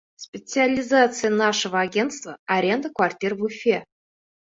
Специализация нашего агентства - аренда квартир в Уфе!